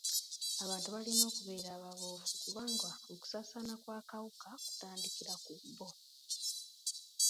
Abantu balina okubeera ababuufu kubanga okusaasaana kw'akawuka kutandikira ku bo.